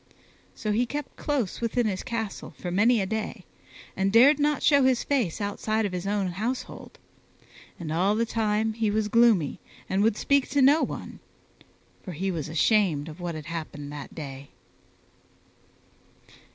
So he kept close within his castle for many a day and dared not show his face outside of his own household, and all the time he was gloomy and would speak to no one, for he was ashamed of what had happened that day.